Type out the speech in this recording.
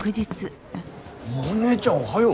モネちゃんおはよう。